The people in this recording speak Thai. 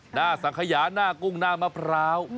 หน้าสังขยาหน้ากุ้งหน้ามะพร้าว